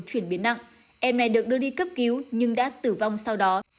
chuyển biến nặng em này được đưa đi cấp cứu nhưng đã tử vong sau đó